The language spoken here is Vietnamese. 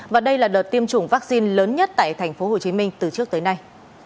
và đây là đợt tiêm chủng vaccine lớn nhất tại thành phố hồ chí minh từ trước tới nay